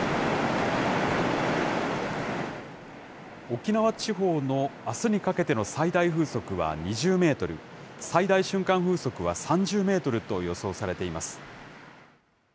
沖縄地方のあすにかけての最大風速は２０メートル、最大瞬間風速は３０メートルと予想されています。